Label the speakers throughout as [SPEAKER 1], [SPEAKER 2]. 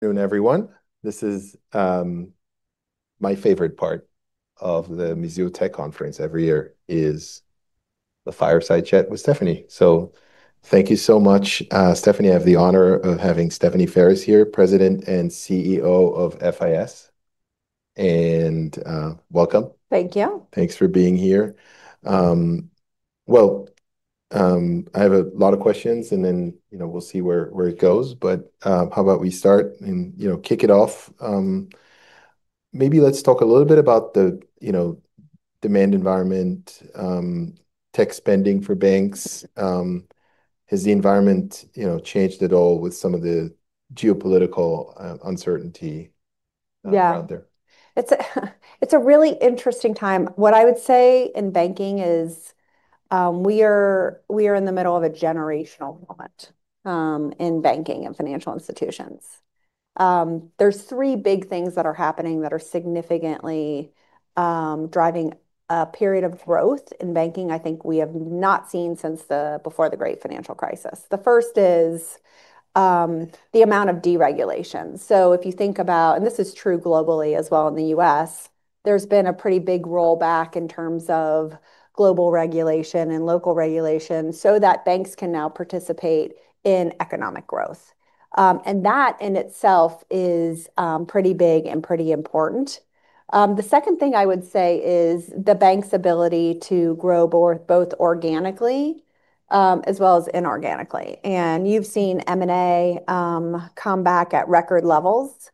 [SPEAKER 1] Good afternoon, everyone. This is my favorite part of the Mizuho Tech conference every year is the fireside chat with Stephanie. Thank you so much. Stephanie, I have the honor of having Stephanie Ferris here, President and Chief Executive Officer of FIS. Welcome.
[SPEAKER 2] Thank you.
[SPEAKER 1] Thanks for being here. Well, I have a lot of questions and then, we'll see where it goes. How about we start and kick it off. Maybe let's talk a little bit about the demand environment, tech spending for banks. Has the environment changed at all with some of the geopolitical uncertainty.
[SPEAKER 2] Yeah
[SPEAKER 1] Out there?
[SPEAKER 2] It's a really interesting time. What I would say in banking is we are in the middle of a generational moment in banking and financial institutions. There's three big things that are happening that are significantly driving a period of growth in banking, I think we have not seen since before the great financial crisis. The first is the amount of deregulation. If you think about, and this is true globally as well in the U.S., there's been a pretty big rollback in terms of global regulation and local regulation so that banks can now participate in economic growth. That in itself is pretty big and pretty important. The second thing I would say is the bank's ability to grow both organically as well as inorganically. You've seen M&A come back at record levels,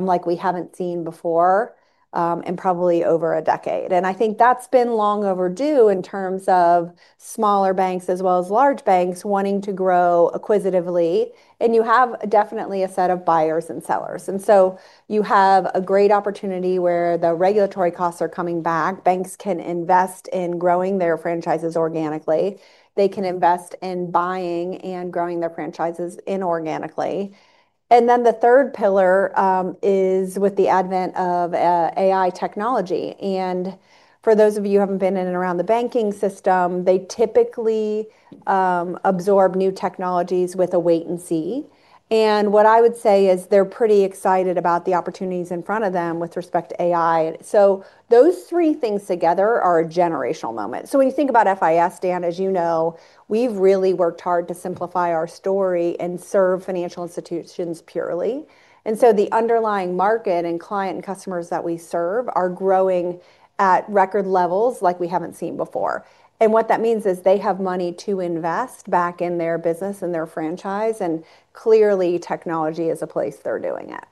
[SPEAKER 2] like we haven't seen before, in probably over a decade. I think that's been long overdue in terms of smaller banks as well as large banks wanting to grow acquisitively. You have definitely a set of buyers and sellers. You have a great opportunity where the regulatory costs are coming back. Banks can invest in growing their franchises organically. They can invest in buying and growing their franchises inorganically. The third pillar is with the advent of AI technology. For those of you who haven't been in and around the banking system, they typically absorb new technologies with a wait and see. What I would say is they're pretty excited about the opportunities in front of them with respect to AI. Those three things together are a generational moment. When you think about FIS, Dan, as you know, we've really worked hard to simplify our story and serve financial institutions purely. The underlying market and client and customers that we serve are growing at record levels like we haven't seen before. What that means is they have money to invest back in their business and their franchise, and clearly technology is a place they're doing it.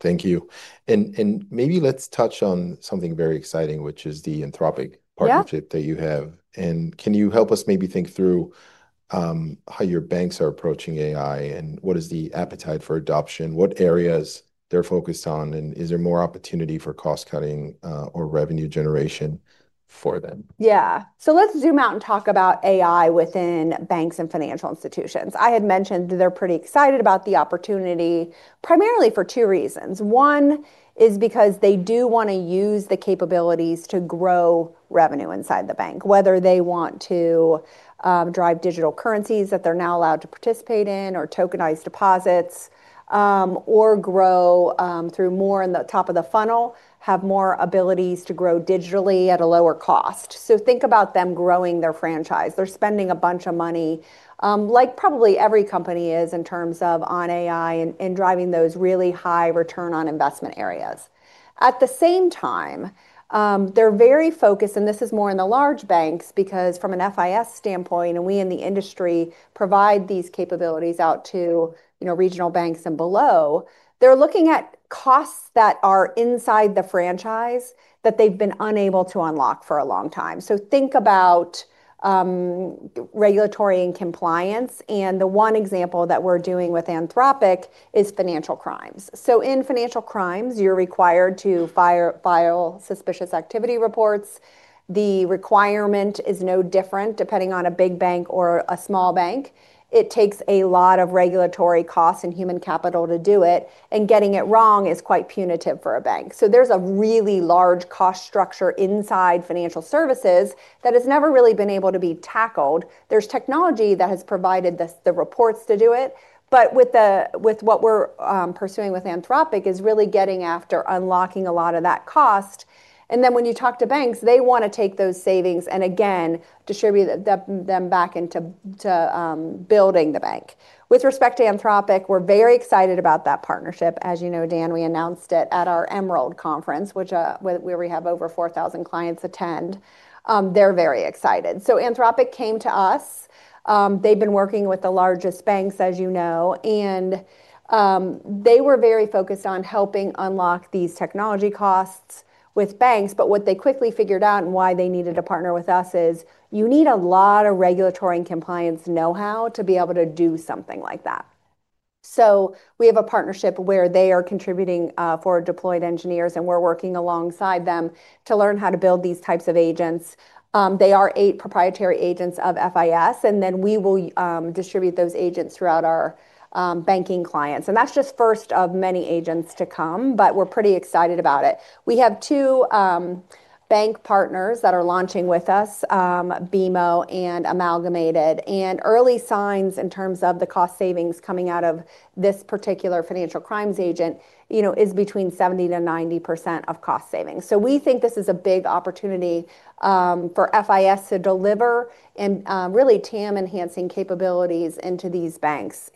[SPEAKER 1] Thank you. Maybe let's touch on something very exciting, which is the Anthropic partnership. That you have. Can you help us maybe think through how your banks are approaching AI, what is the appetite for adoption, what areas they're focused on, and is there more opportunity for cost-cutting or revenue generation for them?
[SPEAKER 2] Let's zoom out and talk about AI within banks and financial institutions. I had mentioned that they're pretty excited about the opportunity, primarily for two reasons. One is because they do want to use the capabilities to grow revenue inside the bank. Whether they want to drive digital currencies that they're now allowed to participate in, or tokenized deposits, or grow through more in the top of the funnel, have more abilities to grow digitally at a lower cost. Think about them growing their franchise. They're spending a bunch of money, like probably every company is in terms of on AI and driving those really high return on investment areas. At the same time, they're very focused, and this is more in the large banks, because from an FIS standpoint, and we in the industry provide these capabilities out to regional banks and below. They're looking at costs that are inside the franchise that they've been unable to unlock for a long time. Think about regulatory and compliance, and the one example that we're doing with Anthropic is financial crimes. In financial crimes, you're required to file Suspicious Activity Reports. The requirement is no different depending on a big bank or a small bank. It takes a lot of regulatory costs and human capital to do it, and getting it wrong is quite punitive for a bank. There's a really large cost structure inside financial services that has never really been able to be tackled. There's technology that has provided the reports to do it, but with what we're pursuing with Anthropic is really getting after unlocking a lot of that cost. When you talk to banks, they want to take those savings, and again, distribute them back into building the bank. With respect to Anthropic, we're very excited about that partnership. As you know, Dan, we announced it at our FIS Emerald conference, where we have over 4,000 clients attend. They're very excited. Anthropic came to us. They've been working with the largest banks, as you know. They were very focused on helping unlock these technology costs with banks. What they quickly figured out and why they needed to partner with us is you need a lot of regulatory and compliance knowhow to be able to do something like that. We have a partnership where they are contributing for deployed engineers, and we're working alongside them to learn how to build these types of agents. They are eight proprietary agents of FIS. We will distribute those agents throughout our banking clients. That's just first of many agents to come, but we're pretty excited about it. We have two bank partners that are launching with us, BMO and Amalgamated Bank, and early signs in terms of the cost savings coming out of this particular financial crimes agent is between 70%-90% of cost savings. We think this is a big opportunity for FIS to deliver and really TAM enhancing capabilities into these banks.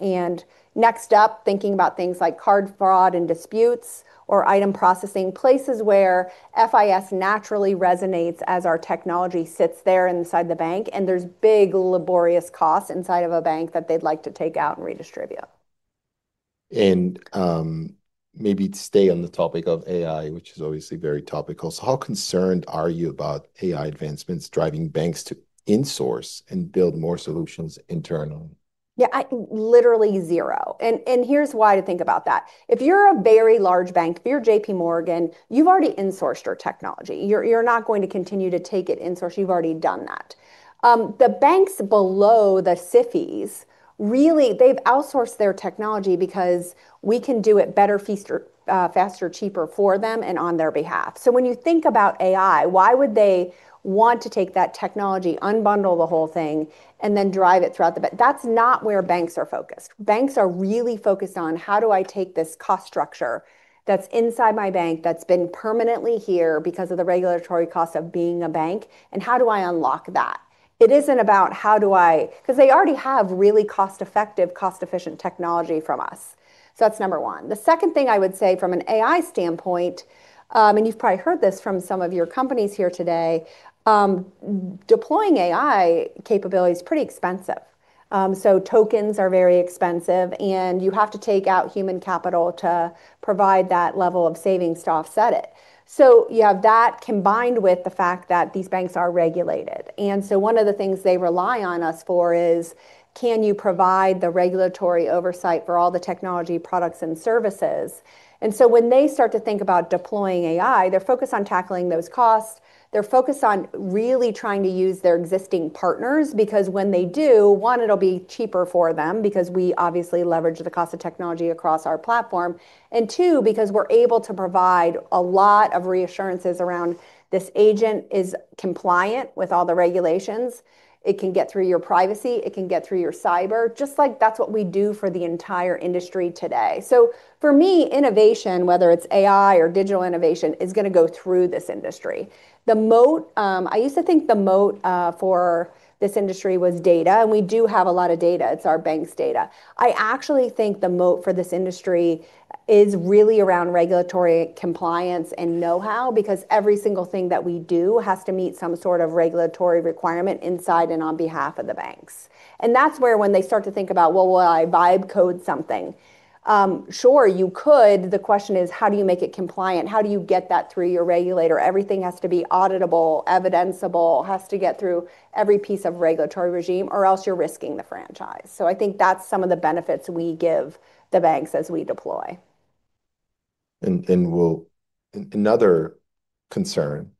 [SPEAKER 2] Next up, thinking about things like card fraud and disputes or item processing, places where FIS naturally resonates as our technology sits there inside the bank, and there's big, laborious costs inside of a bank that they'd like to take out and redistribute.
[SPEAKER 1] Maybe to stay on the topic of AI, which is obviously very topical. How concerned are you about AI advancements driving banks to insource and build more solutions internally?
[SPEAKER 2] Literally zero, and here's why to think about that. If you're a very large bank, if you're JPMorgan, you've already insourced your technology. You're not going to continue to take it insource. You've already done that. The banks below the SIFIs, really, they've outsourced their technology because we can do it better, faster, cheaper for them, and on their behalf. When you think about AI, why would they want to take that technology, unbundle the whole thing, drive it throughout the bank? That's not where banks are focused. Banks are really focused on how do I take this cost structure that's inside my bank, that's been permanently here because of the regulatory cost of being a bank, and how do I unlock that? It isn't about how do I. Because they already have really cost-effective, cost-efficient technology from us. That's number one. The second thing I would say from an AI standpoint, you've probably heard this from some of your companies here today, deploying AI capability is pretty expensive. Tokens are very expensive, and you have to take out human capital to provide that level of savings to offset it. You have that combined with the fact that these banks are regulated. One of the things they rely on us for is can you provide the regulatory oversight for all the technology products and services? When they start to think about deploying AI, they're focused on tackling those costs. They're focused on really trying to use their existing partners, because when they do, one, it'll be cheaper for them because we obviously leverage the cost of technology across our platform. Two, because we're able to provide a lot of reassurances around this agent is compliant with all the regulations. It can get through your privacy, it can get through your cyber, just like that's what we do for the entire industry today. For me, innovation, whether it's AI or digital innovation, is going to go through this industry. I used to think the moat for this industry was data, and we do have a lot of data. It's our bank's data. I actually think the moat for this industry is really around regulatory compliance and knowhow, because every single thing that we do has to meet some sort of regulatory requirement inside and on behalf of the banks. That's where when they start to think about, well, will I vibe coding something? Sure, you could. The question is, how do you make it compliant? How do you get that through your regulator? Everything has to be auditable, evidenceable, has to get through every piece of regulatory regime or else you're risking the franchise. I think that's some of the benefits we give the banks as we deploy.
[SPEAKER 1] Another concern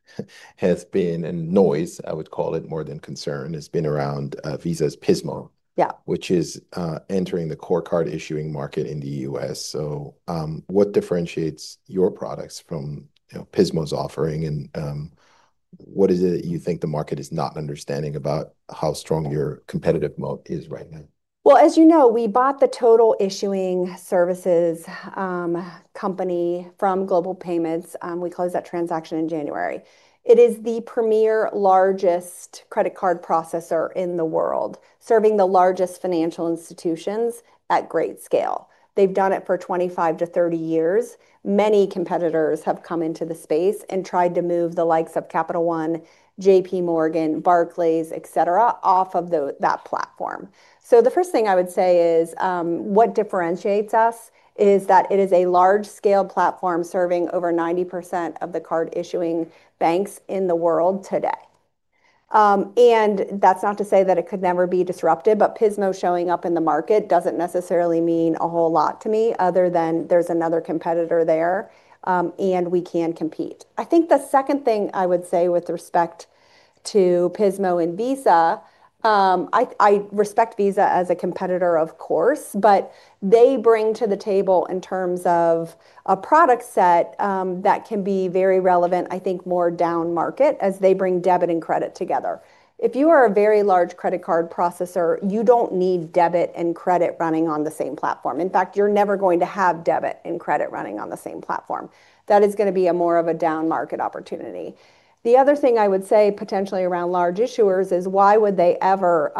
[SPEAKER 1] has been, and noise I would call it more than concern, has been around Visa's Pismo.
[SPEAKER 2] Yeah
[SPEAKER 1] Which is entering the core card issuing market in the U.S. What differentiates your products from Pismo's offering and what is it that you think the market is not understanding about how strong your competitive moat is right now?
[SPEAKER 2] Well, as you know, we bought the Total System Services company from Global Payments. We closed that transaction in January. It is the premier largest credit card processor in the world, serving the largest financial institutions at great scale. They've done it for 25-30 years. Many competitors have come into the space and tried to move the likes of Capital One, JPMorgan, Barclays, et cetera, off of that platform. The first thing I would say is, what differentiates us is that it is a large-scale platform serving over 90% of the card issuing banks in the world today. That's not to say that it could never be disrupted, but Pismo showing up in the market doesn't necessarily mean a whole lot to me other than there's another competitor there, and we can compete. I think the second thing I would say with respect to Pismo and Visa, I respect Visa as a competitor of course, they bring to the table in terms of a product set that can be very relevant, I think more down market as they bring debit and credit together. If you are a very large credit card processor, you don't need debit and credit running on the same platform. In fact, you're never going to have debit and credit running on the same platform. That is going to be a more of a down-market opportunity. The other thing I would say potentially around large issuers is why would they ever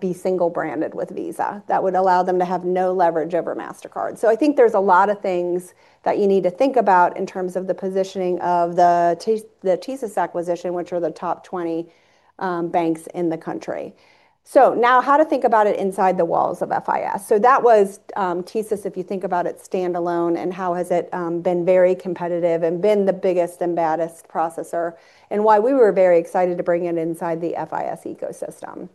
[SPEAKER 2] be single-branded with Visa? That would allow them to have no leverage over Mastercard. I think there's a lot of things that you need to think about in terms of the positioning of the TSYS acquisition, which are the top 20 banks in the country. Now how to think about it inside the walls of FIS. That was TSYS, if you think about it standalone, and how has it been very competitive and been the biggest and baddest processor, and why we were very excited to bring it inside the FIS ecosystem.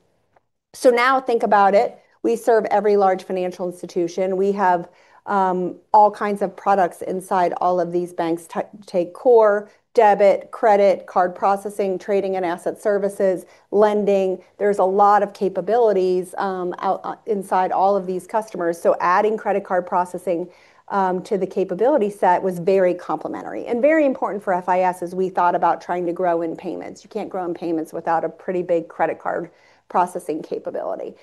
[SPEAKER 2] Now think about it. We serve every large financial institution. We have all kinds of products inside all of these banks. Take core, debit, credit, card processing, trading and asset services, lending. There's a lot of capabilities inside all of these customers, so adding credit card processing to the capability set was very complementary and very important for FIS as we thought about trying to grow in payments. You can't grow in payments without a pretty big credit card processing capability.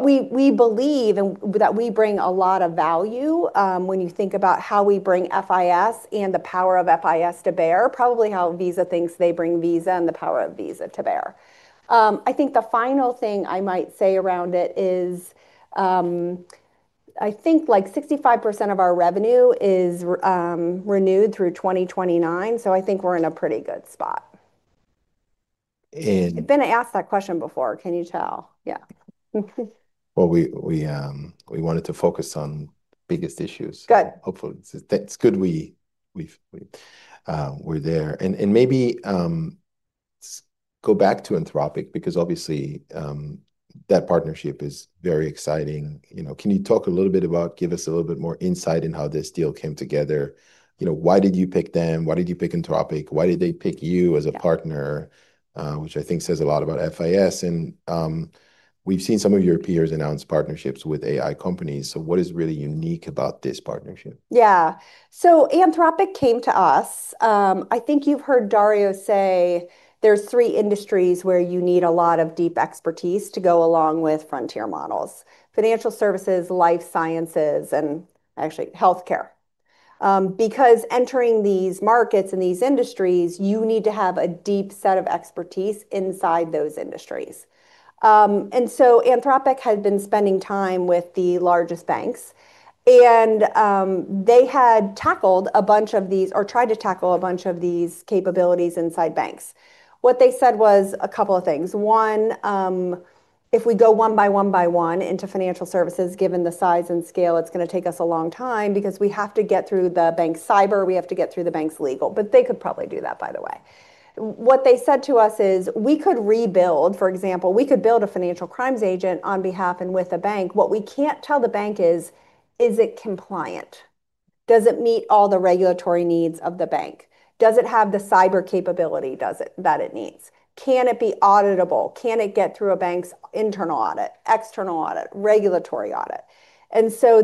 [SPEAKER 2] We believe that we bring a lot of value, when you think about how we bring FIS and the power of FIS to bear, probably how Visa thinks they bring Visa and the power of Visa to bear. I think the final thing I might say around it is, I think 65% of our revenue is renewed through 2029, I think we're in a pretty good spot.
[SPEAKER 1] And-
[SPEAKER 2] I've been asked that question before. Can you tell? Yeah.
[SPEAKER 1] Well, we wanted to focus on biggest issues.
[SPEAKER 2] Good.
[SPEAKER 1] Hopefully, it's good we're there. Maybe go back to Anthropic because obviously, that partnership is very exciting. Can you talk a little bit about, give us a little bit more insight in how this deal came together? Why did you pick them? Why did you pick Anthropic? Why did they pick you as a partner? Which I think says a lot about FIS, and we've seen some of your peers announce partnerships with AI companies, so what is really unique about this partnership?
[SPEAKER 2] Yeah. Anthropic came to us. I think you've heard Dario say there's three industries where you need a lot of deep expertise to go along with frontier models. Financial services, life sciences, and actually healthcare. Entering these markets and these industries, you need to have a deep set of expertise inside those industries. Anthropic had been spending time with the largest banks, and they had tackled a bunch of these, or tried to tackle a bunch of these capabilities inside banks. What they said was a couple of things. One, if we go one by one by one into financial services, given the size and scale, it's going to take us a long time because we have to get through the bank's cyber, we have to get through the bank's legal, but they could probably do that, by the way. What they said to us is, "We could rebuild." For example, we could build a financial crimes agent on behalf and with a bank. What we can't tell the bank is it compliant? Does it meet all the regulatory needs of the bank? Does it have the cyber capability that it needs? Can it be auditable? Can it get through a bank's internal audit, external audit, regulatory audit?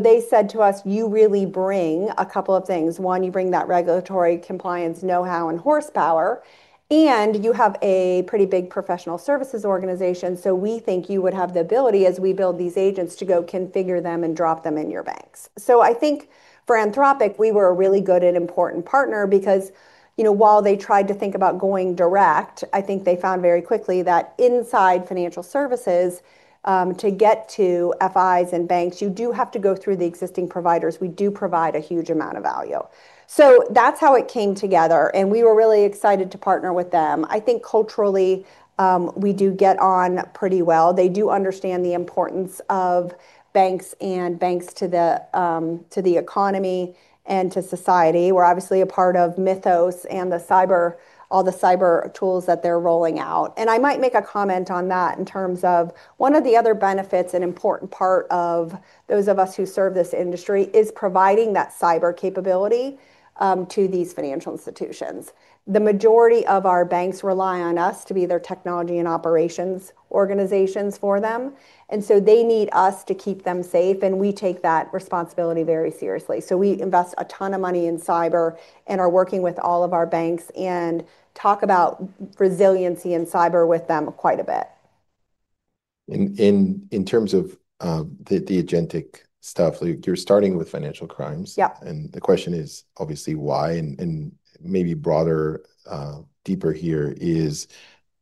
[SPEAKER 2] They said to us, "You really bring a couple of things. One, you bring that regulatory compliance knowhow and horsepower, and you have a pretty big professional services organization, so we think you would have the ability as we build these agents to go configure them and drop them in your banks." I think for Anthropic, we were a really good and important partner because while they tried to think about going direct, I think they found very quickly that inside financial services, to get to FIs and banks, you do have to go through the existing providers. We do provide a huge amount of value. That's how it came together, and we were really excited to partner with them. I think culturally, we do get on pretty well. They do understand the importance of banks and banks to the economy and to society. We're obviously a part of Mythos and all the cyber tools that they're rolling out. I might make a comment on that in terms of one of the other benefits, an important part of those of us who serve this industry, is providing that cyber capability to these financial institutions. The majority of our banks rely on us to be their technology and operations organizations for them, they need us to keep them safe, and we take that responsibility very seriously. We invest a ton of money in cyber and are working with all of our banks and talk about resiliency and cyber with them quite a bit.
[SPEAKER 1] In terms of the agentic stuff, you're starting with financial crimes.
[SPEAKER 2] Yeah.
[SPEAKER 1] The question is obviously why, maybe broader, deeper here is,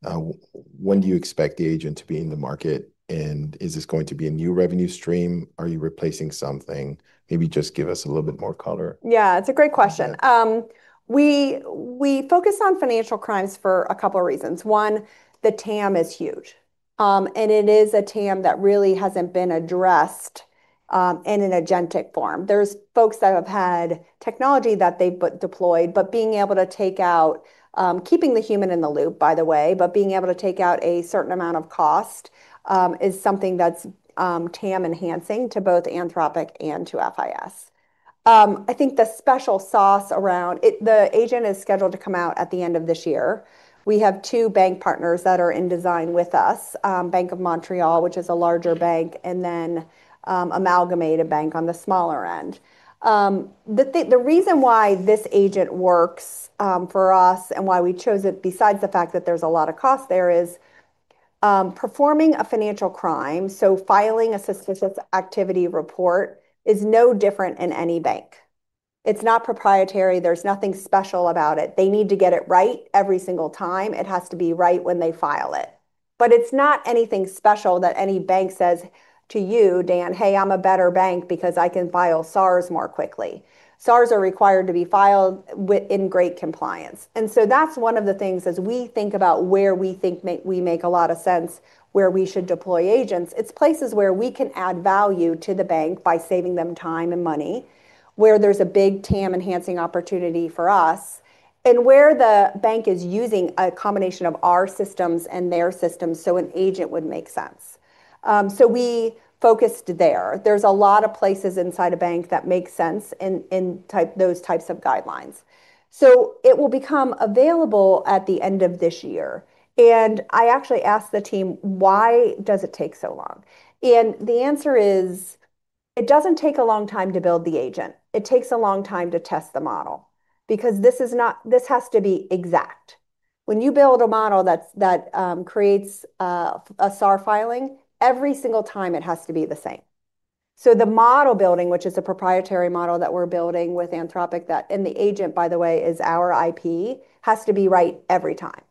[SPEAKER 1] when do you expect the agent to be in the market, and is this going to be a new revenue stream? Are you replacing something? Maybe just give us a little bit more color.
[SPEAKER 2] Yeah. It's a great question. We focus on financial crimes for a couple of reasons. One, the TAM is huge, and it is a TAM that really hasn't been addressed in an agentic form. There's folks that have had technology that they've deployed, keeping the human in the loop, by the way, but being able to take out a certain amount of cost is something that's TAM enhancing to both Anthropic and to FIS. The agent is scheduled to come out at the end of this year. We have two bank partners that are in design with us, Bank of Montreal, which is a larger bank, and then Amalgamated Bank on the smaller end. The reason why this agent works for us and why we chose it, besides the fact that there's a lot of cost there is, performing a financial crime, so filing a Suspicious Activity Report is no different in any bank. It's not proprietary. There's nothing special about it. They need to get it right every single time. It has to be right when they file it. It's not anything special that any bank says to you, "Dan, hey, I'm a better bank because I can file SARs more quickly." SARs are required to be filed in great compliance. That's one of the things as we think about where we think we make a lot of sense where we should deploy agents. It's places where we can add value to the bank by saving them time and money, where there's a big TAM enhancing opportunity for us, and where the bank is using a combination of our systems and their systems, an agent would make sense. We focused there. There's a lot of places inside a bank that make sense in those types of guidelines. It will become available at the end of this year. I actually asked the team, why does it take so long? The answer is, it doesn't take a long time to build the agent. It takes a long time to test the model, because this has to be exact. When you build a model that creates a SAR filing, every single time it has to be the same. The model building, which is a proprietary model that we're building with Anthropic, and the agent, by the way, is our IP, has to be right every time.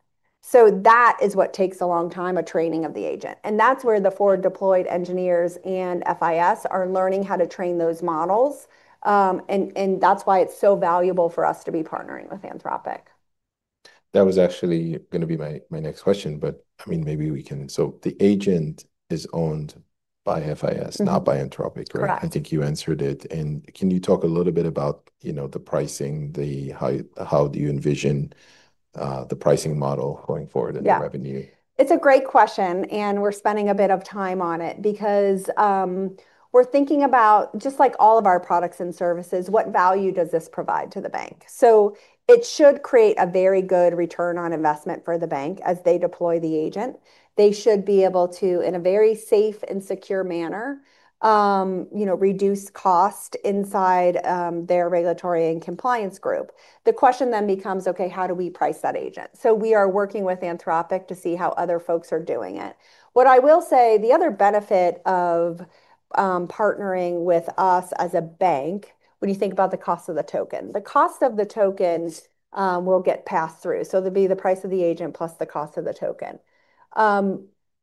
[SPEAKER 2] That is what takes a long time of training of the agent, and that's where the four deployed engineers and FIS are learning how to train those models. That's why it's so valuable for us to be partnering with Anthropic.
[SPEAKER 1] That was actually going to be my next question, but maybe we can. The agent is owned by FIS not by Anthropic, right?
[SPEAKER 2] Correct.
[SPEAKER 1] I think you answered it. Can you talk a little bit about the pricing, how do you envision the pricing model going forward and the revenue?
[SPEAKER 2] It's a great question, we're spending a bit of time on it because we're thinking about just like all of our products and services, what value does this provide to the bank? It should create a very good return on investment for the bank as they deploy the agent. They should be able to, in a very safe and secure manner reduce cost inside their regulatory and compliance group. The question then becomes, how do we price that agent? We are working with Anthropic to see how other folks are doing it. What I will say, the other benefit of partnering with us as a bank, when you think about the cost of the token. The cost of the token will get passed through, there'll be the price of the agent plus the cost of the token.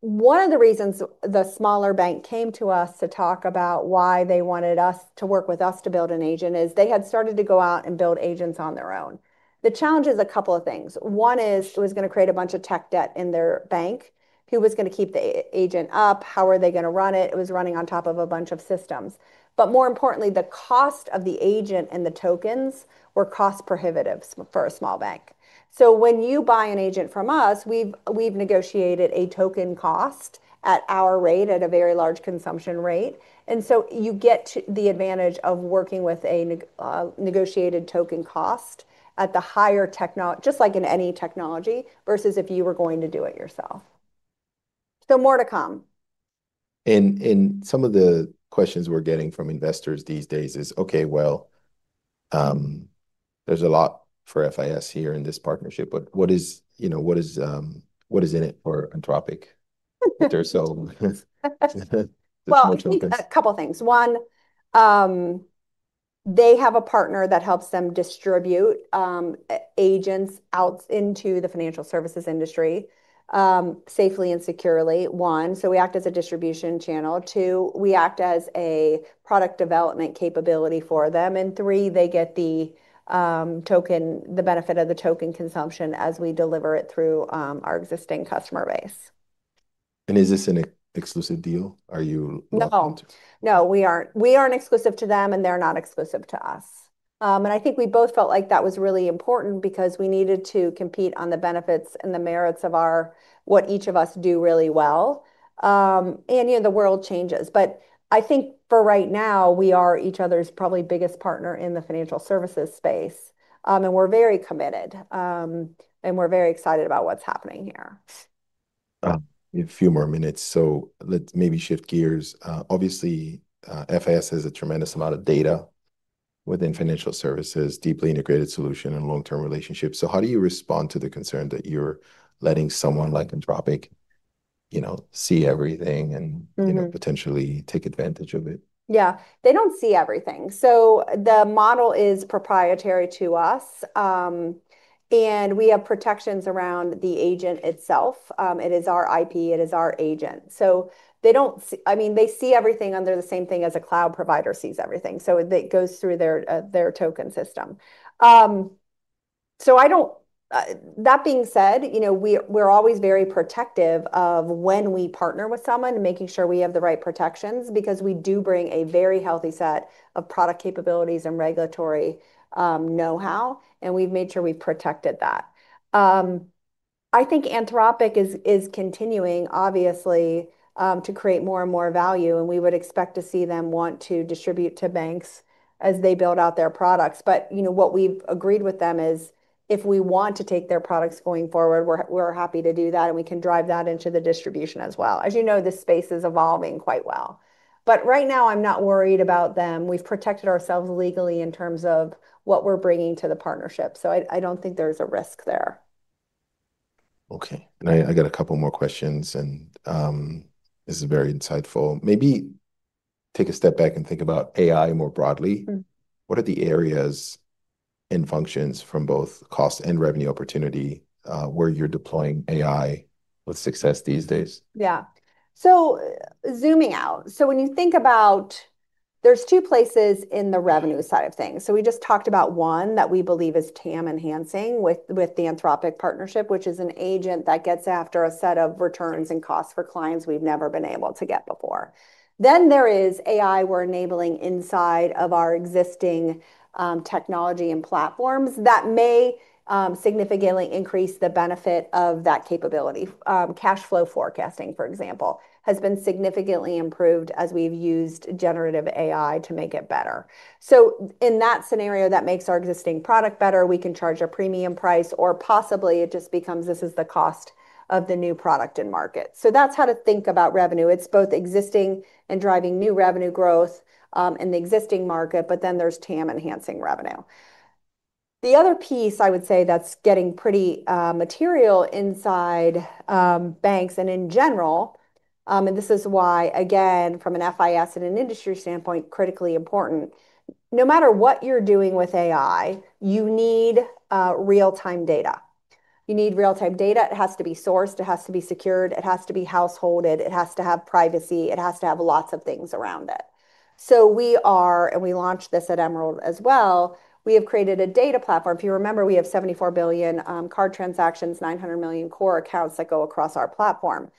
[SPEAKER 2] One of the reasons the smaller bank came to us to talk about why they wanted us to work with us to build an agent is they had started to go out and build agents on their own. The challenge is a couple of things. One is, who is going to create a bunch of tech debt in their bank? Who was going to keep the agent up? How are they going to run it? It was running on top of a bunch of systems. More importantly, the cost of the agent and the tokens were cost prohibitive for a small bank. When you buy an agent from us, we've negotiated a token cost at our rate at a very large consumption rate, and so you get the advantage of working with a negotiated token cost at the higher just like in any technology, versus if you were going to do it yourself. More to come.
[SPEAKER 1] Some of the questions we're getting from investors these days is, okay, well, there's a lot for FIS here in this partnership, but what is in it for Anthropic? If there's so, there's so much focus.
[SPEAKER 2] I think a couple of things. One, they have a partner that helps them distribute agents out into the financial services industry, safely and securely, one. We act as a distribution channel. Two, we act as a product development capability for them. Three, they get the benefit of the token consumption as we deliver it through our existing customer base.
[SPEAKER 1] Is this an exclusive deal? Are you locked into.
[SPEAKER 2] No. We aren't exclusive to them, and they're not exclusive to us. I think we both felt like that was really important because we needed to compete on the benefits and the merits of what each of us do really well. The world changes. I think for right now, we are each other's probably biggest partner in the financial services space. We're very committed. We're very excited about what's happening here.
[SPEAKER 1] We have a few more minutes, let's maybe shift gears. Obviously, FIS has a tremendous amount of data within financial services, deeply integrated solution, and long-term relationships. How do you respond to the concern that you're letting someone like Anthropic see everything and potentially take advantage of it?
[SPEAKER 2] Yeah. They don't see everything. The model is proprietary to us. We have protections around the agent itself. It is our IP, it is our agent. They see everything under the same thing as a cloud provider sees everything. It goes through their token system. That being said, we're always very protective of when we partner with someone, making sure we have the right protections because we do bring a very healthy set of product capabilities and regulatory knowhow, we've made sure we've protected that. I think Anthropic is continuing, obviously, to create more and more value, we would expect to see them want to distribute to banks as they build out their products. What we've agreed with them is if we want to take their products going forward, we're happy to do that, and we can drive that into the distribution as well. As you know, this space is evolving quite well. Right now, I'm not worried about them. We've protected ourselves legally in terms of what we're bringing to the partnership, so I don't think there's a risk there.
[SPEAKER 1] Okay. I got a couple more questions, and this is very insightful. Maybe take a step back and think about AI more broadly. What are the areas and functions from both cost and revenue opportunity, where you're deploying AI with success these days?
[SPEAKER 2] Yeah. Zooming out, when you think about there's two places in the revenue side of things. We just talked about one that we believe is TAM enhancing with the Anthropic partnership, which is an agent that gets after a set of returns and costs for clients we've never been able to get before. Then there is AI we're enabling inside of our existing technology and platforms that may significantly increase the benefit of that capability. Cash flow forecasting, for example, has been significantly improved as we've used generative AI to make it better. In that scenario, that makes our existing product better. We can charge a premium price, or possibly it just becomes this is the cost of the new product in market. That's how to think about revenue. It's both existing and driving new revenue growth, in the existing market, there's TAM enhancing revenue. The other piece I would say that's getting pretty material inside banks and in general, this is why, again, from an FIS and an industry standpoint, critically important. No matter what you're doing with AI, you need real-time data. You need real-time data. It has to be sourced. It has to be secured. It has to be householded. It has to have privacy. It has to have lots of things around it. We are, and we launched this at Emerald as well, we have created a data platform. If you remember, we have $74 billion card transactions, $900 million core accounts that go across our platform.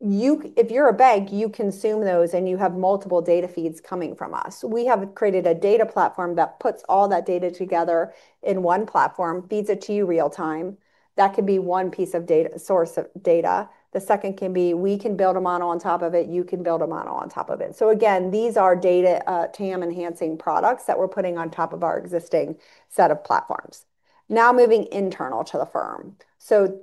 [SPEAKER 2] If you're a bank, you consume those and you have multiple data feeds coming from us. We have created a data platform that puts all that data together in one platform, feeds it to you real-time. That could be one piece of source of data. The second can be, we can build a model on top of it. You can build a model on top of it. Again, these are data TAM enhancing products that we're putting on top of our existing set of platforms. Now moving internal to the firm.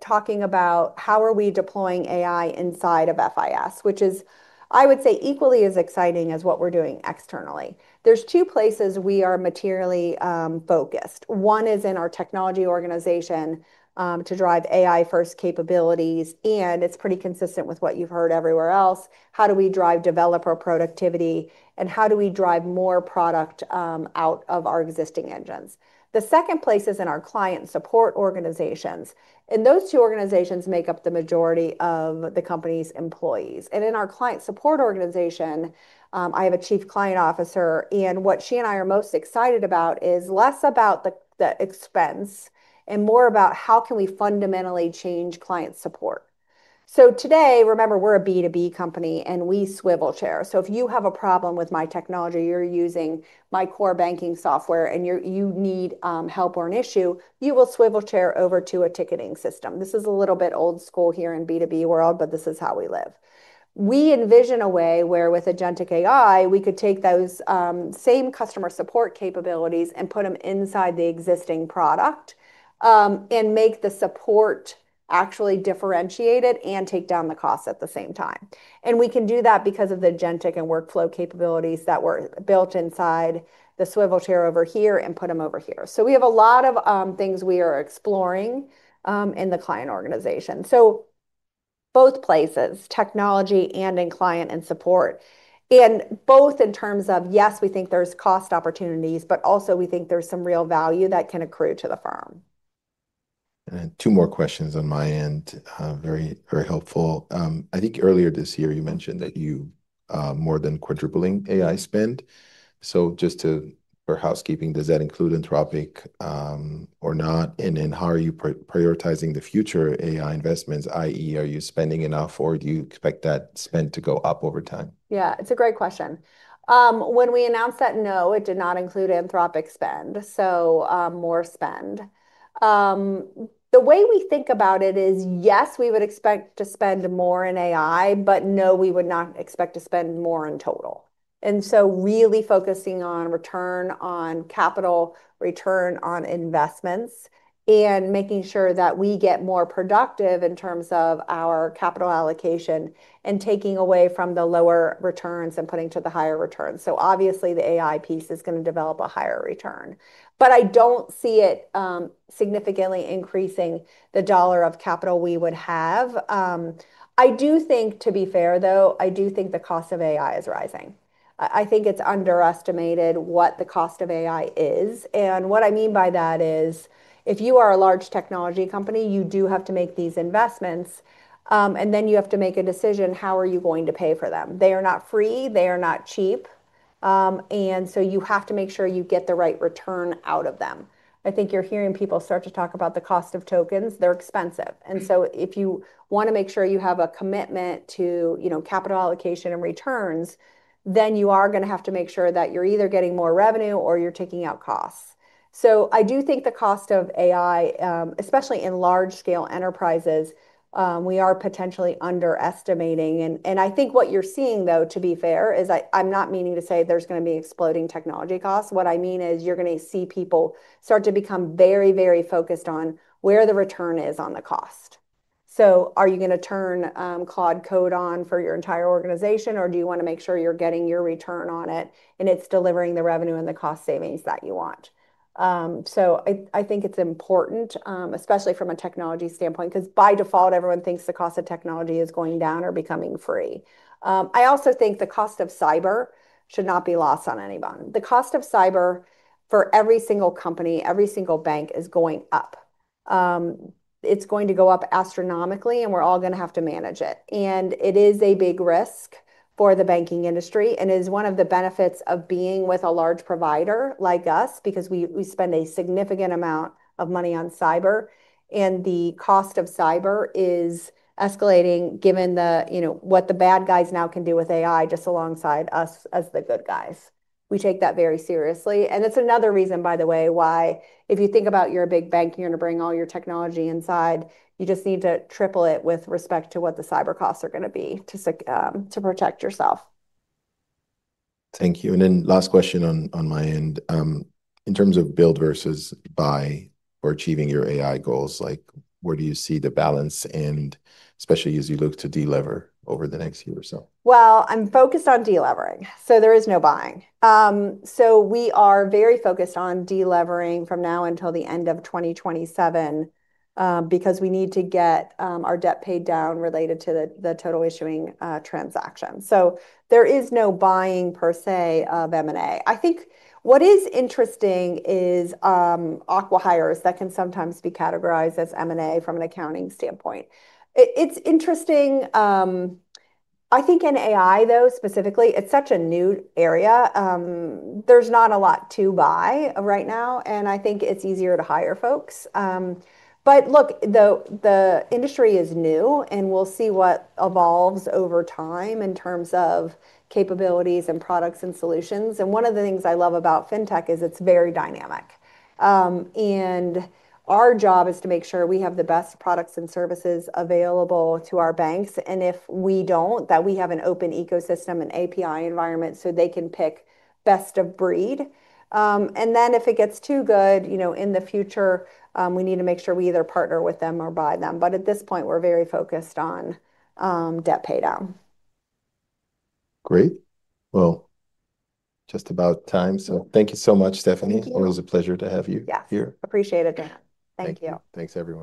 [SPEAKER 2] Talking about how are we deploying AI inside of FIS, which is, I would say, equally as exciting as what we're doing externally. There's two places we are materially focused. One is in our technology organization, to drive AI-first capabilities, and it's pretty consistent with what you've heard everywhere else. How do we drive developer productivity, and how do we drive more product out of our existing engines? The second place is in our client support organizations, and those two organizations make up the majority of the company's employees. In our client support organization, I have a chief client officer, and what she and I are most excited about is less about the expense and more about how can we fundamentally change client support. Today, remember, we're a B2B company and we swivel chair. If you have a problem with my technology, you're using my core banking software and you need help or an issue, you will swivel chair over to a ticketing system. This is a little bit old school here in B2B world, but this is how we live. We envision a way where with agentic AI, we could take those same customer support capabilities and put them inside the existing product, and make the support actually differentiated and take down the cost at the same time. We can do that because of the agentic and workflow capabilities that were built inside the swivel chair over here and put them over here. We have a lot of things we are exploring in the client organization. Both places, technology and in client and support. Both in terms of, yes, we think there's cost opportunities, but also we think there's some real value that can accrue to the firm.
[SPEAKER 1] Two more questions on my end, very helpful. Earlier this year you mentioned that you are more than quadrupling AI spend. Just for housekeeping, does that include Anthropic or not? How are you prioritizing the future AI investments, i.e., are you spending enough or do you expect that spend to go up over time?
[SPEAKER 2] It's a great question. When we announced that, no, it did not include Anthropic spend, more spend. The way we think about it is, yes, we would expect to spend more in AI, no, we would not expect to spend more in total. Really focusing on return on capital, return on investments, and making sure that we get more productive in terms of our capital allocation and taking away from the lower returns and putting to the higher returns. Obviously the AI piece is going to develop a higher return. I don't see it significantly increasing the dollar of capital we would have. I do think, to be fair though, the cost of AI is rising. I think it's underestimated what the cost of AI is. What I mean by that is if you are a large technology company, you do have to make these investments, you have to make a decision, how are you going to pay for them? They are not free. They are not cheap. You have to make sure you get the right return out of them. I think you're hearing people start to talk about the cost of tokens. They're expensive. If you want to make sure you have a commitment to capital allocation and returns, you are going to have to make sure that you're either getting more revenue or you're taking out costs. I do think the cost of AI, especially in large-scale enterprises, we are potentially underestimating. I think what you're seeing though, to be fair, is I'm not meaning to say there's going to be exploding technology costs. What I mean is you're going to see people start to become very focused on where the return is on the cost. Are you going to turn Claude Code on for your entire organization, or do you want to make sure you're getting your return on it and it's delivering the revenue and the cost savings that you want? I think it's important, especially from a technology standpoint, because by default, everyone thinks the cost of technology is going down or becoming free. I also think the cost of cyber should not be lost on anyone. The cost of cyber for every single company, every single bank is going up. It's going to go up astronomically, and we're all going to have to manage it. It is a big risk for the banking industry and is one of the benefits of being with a large provider like us because we spend a significant amount of money on cyber, and the cost of cyber is escalating given what the bad guys now can do with AI just alongside us as the good guys. We take that very seriously, and it's another reason, by the way, why if you think about you're a big bank, you're going to bring all your technology inside. You just need to triple it with respect to what the cyber costs are going to be to protect yourself.
[SPEAKER 1] Thank you. Then last question on my end. In terms of build versus buy for achieving your AI goals, where do you see the balance in, especially as you look to de-lever over the next year or so?
[SPEAKER 2] Well, I'm focused on de-levering, there is no buying. We are very focused on de-levering from now until the end of 2027 because we need to get our debt paid down related to the total issuing transaction. There is no buying, per se, of M&A. I think what is interesting is acqui-hires that can sometimes be categorized as M&A from an accounting standpoint. It's interesting. I think in AI, though, specifically, it's such a new area. There's not a lot to buy right now, and I think it's easier to hire folks. Look, the industry is new, and we'll see what evolves over time in terms of capabilities and products and solutions. One of the things I love about fintech is it's very dynamic. Our job is to make sure we have the best products and services available to our banks. If we don't, that we have an open ecosystem and API environment so they can pick best of breed. Then if it gets too good in the future, we need to make sure we either partner with them or buy them. At this point, we're very focused on debt paydown.
[SPEAKER 1] Great. Well, just about time, so thank you so much, Stephanie.
[SPEAKER 2] Thank you.
[SPEAKER 1] Always a pleasure to have you.
[SPEAKER 2] Yes
[SPEAKER 1] Here.
[SPEAKER 2] Appreciate it, Dan. Thank you.
[SPEAKER 1] Thank you. Thanks, everyone.